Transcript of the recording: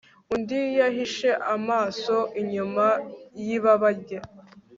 Undi yahishe amaso inyuma yibaba rye